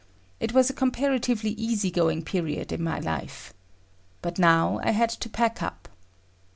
It was a comparatively easy going period in my life. But now I had to pack up.